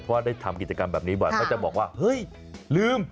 เพราะได้ทำกิจกรรมแบบนี้บ่อยเขาจะบอกว่าเฮ้ยลืม